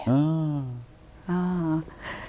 อืม